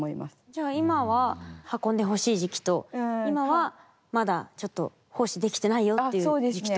じゃあ今は運んでほしい時期と今はまだちょっと胞子できてないよっていう時期と。